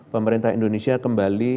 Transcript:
pemerintah indonesia kembali